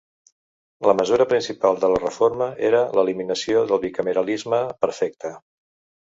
La mesura principal de la reforma era l’eliminació del bicameralisme perfecte.